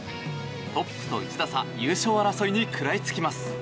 トップと１打差優勝争いに食らいつきます。